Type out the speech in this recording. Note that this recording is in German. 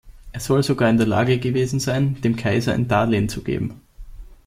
Er soll sogar in der Lage gewesen sein, dem Kaiser ein Darlehen zu geben.